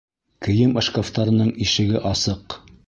Кейем шкафтарының ишеге асыҡ!